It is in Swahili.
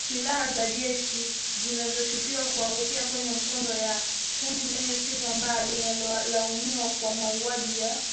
Silaha za jeshi zinashukiwa kuangukia kwenye mikono ya kundi lenye sifa mbaya linalolaumiwa kwa mauaji ya kikabila.